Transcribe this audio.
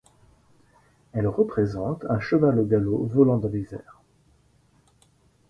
Elle représente un cheval au galop volant dans les airs.